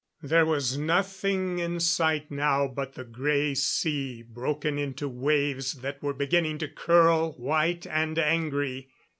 There was nothing in sight now but the gray sea, broken into waves that were beginning to curl, white and angry.